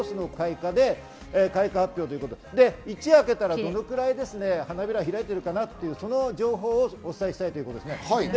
開花発表ということで、一夜明けたらどのくらい花びらが開いてるかなっていう、その情報をお伝えしたいということです。